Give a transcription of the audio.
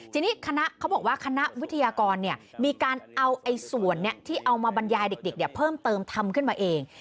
ทีนี้คณะเขาบอกว่าคณะวิทยากรมีการเอาส่วนที่เอามาบรรยายเด็กเพิ่มเติมทำขึ้นมาเอง